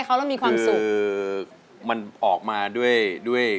กระแซะเข้ามาสิ